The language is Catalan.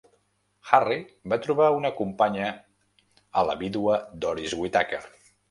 Harry va trobar una companya a la vídua Doris Whitaker.